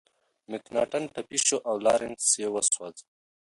مکناتن ټپي شو او لارنس یې وسوځاوه.